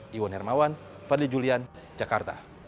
dari jawa tengah fadli julian jakarta